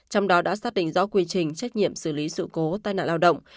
trong đó đã xác định rõ quy trình trách nhiệm xử lý sự cố tai nạn lao động